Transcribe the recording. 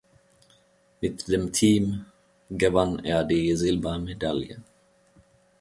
Mit dem Team gewann er die Silbermedaille.